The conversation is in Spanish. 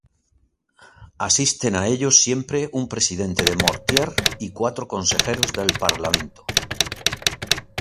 Asisten a ello siempre un presidente de mortier y cuatro consejeros del parlamento.